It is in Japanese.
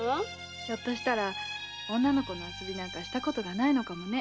ひょっとしたら女の子の遊びなんかしたことがないのかもね。